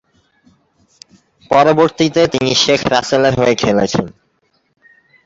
পরবর্তীকালে, তিনি শেখ রাসেলের হয়ে খেলেছেন।